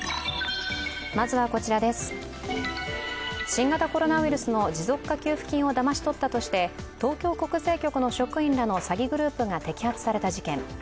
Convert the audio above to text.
新型コロナウイルスの持続化給付金をだまし取ったとして東京国税局の職員らの詐欺グループが摘発された事件。